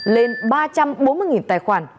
lên ba trăm bốn mươi tài khoản